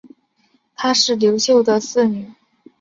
她是刘秀的四女。